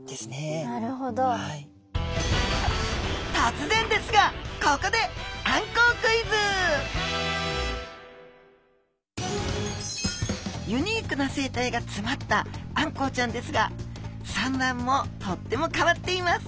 とつぜんですがここでユニークな生態がつまったあんこうちゃんですが産卵もとっても変わっています。